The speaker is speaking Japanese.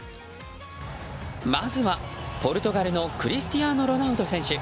まずは、ポルトガルのクリスティアーノ・ロナウド選手。